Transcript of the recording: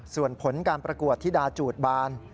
ส่วนผลการประกวดธิดาจูดบาน